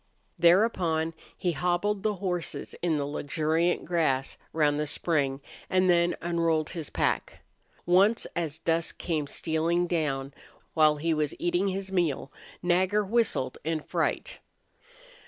Thereupon he hobbled the horses in the luxuriant grass round the spring, and then unrolled his pack. Once as dusk came stealing down, while he was eating his meal, Nagger whistled in fright.